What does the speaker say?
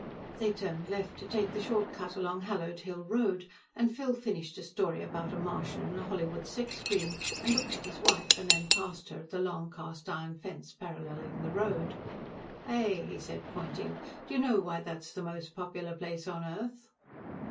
They turned left, to take the short cut along Hallowed Hill Road, and Phil finished a story about a Martian and a Hollywood sex queen and looked at his wife and then past her at the long, cast iron fence paralleling the road. "Hey," he said, pointing, "do you know why that's the most popular place on earth?"